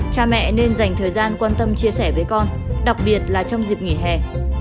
cha mẹ nên dành thời gian quan tâm chia sẻ với con đặc biệt là trong dịp nghỉ hè